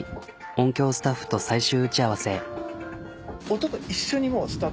音響スタッフと最終打ち合わせ。